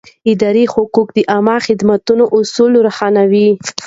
اداري حقوق د عامه خدمت اصول روښانوي.